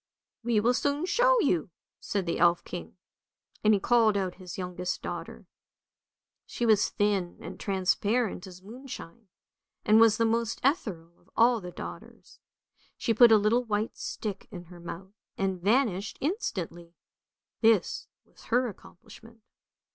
"" We will soon show you! " said the elf king, and he called out his youngest daughter; she was thin and transparent as moonshine, and was the most ethereal of all the daughters. She put a little white stick in her mouth and vanished instantly; this was her accomplishment.